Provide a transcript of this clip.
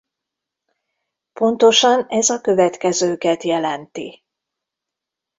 Pontosan ez a következőket jelenti.